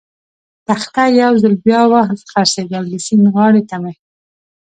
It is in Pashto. تخته یو ځل بیا و څرخېدل، د سیند غاړې ته مې.